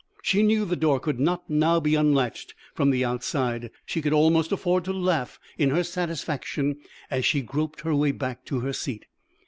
She knew the door could not now be unlatched from the outside. She could almost afford to laugh in her satisfaction as she groped her way back to her seat.